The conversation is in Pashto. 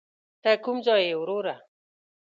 ته کوم ځای یې وروره.